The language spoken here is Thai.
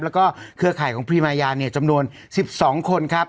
แล้วก็เครือข่ายของพรีมายาเนี่ยจำนวน๑๒คนครับ